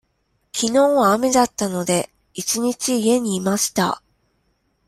きのうは雨だったので、一日家にいました。